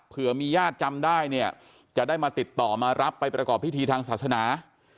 เพื่อมีญาติจำได้เนี่ยจะได้มาติดต่อมารับไปประกอบพิธีทางศาสนา